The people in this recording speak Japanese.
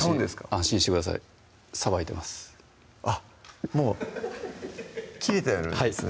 安心してくださいさばいてますあっもう切れてるんですね